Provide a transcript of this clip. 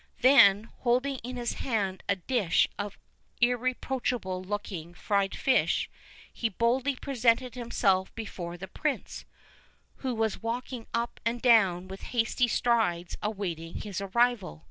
Then, holding in his hand a dish of irreproachable looking fried fish, he boldly presented himself before the prince, who was walking up and down with hasty strides awaiting his arrival.